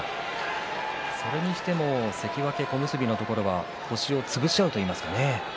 それにしても関脇、小結のところは星を潰し合うといいますかね